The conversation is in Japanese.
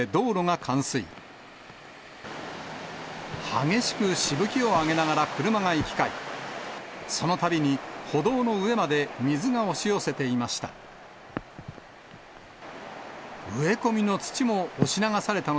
激しくしぶきを上げながら車が行き交い、そのたびに歩道の上まで水が押し寄せていました。